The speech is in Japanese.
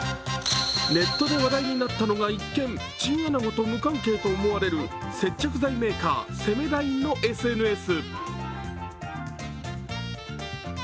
ネットで話題になったのが一見チンアナゴと無関係とみられる接着剤メーカー、セメダインのＳＮＳ。